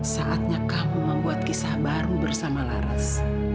saatnya kamu membuat kisah baru bersama laras